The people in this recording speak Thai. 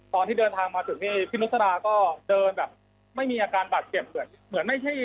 ตอนที่เดินทางมาถึงนี่พี่นุษราก็เดินแบบไม่มีอาการบาดเจ็บเหมือนไม่ใช่